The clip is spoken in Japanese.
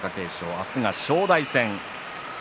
明日は正代戦。